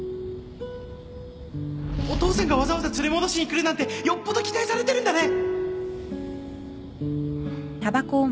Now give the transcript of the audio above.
お父さんがわざわざ連れ戻しに来るなんてよっぽど期待されてるんだね！